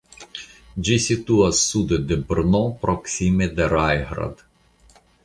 Ĝi situas sude de Brno proksime de Rajhrad.